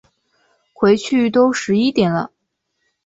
回去都十一点了